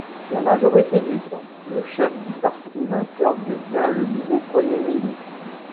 La majorité du temps, le chef du parti vainqueur devient le nouveau Premier ministre.